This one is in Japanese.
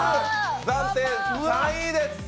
暫定３位です。